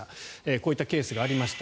こういったケースがありました。